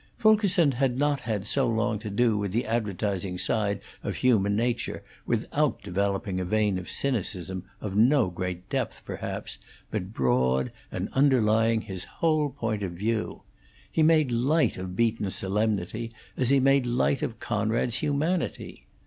Fulkerson had not had so long to do with the advertising side of human nature without developing a vein of cynicism, of no great depth, perhaps, but broad, and underlying his whole point of view; he made light of Beaton's solemnity, as he made light of Conrad's humanity.